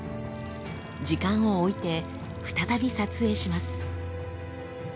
時間を置いて再び撮影します。